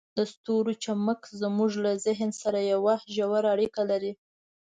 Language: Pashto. د ستورو چمک زموږ له ذهن سره یوه ژوره اړیکه لري.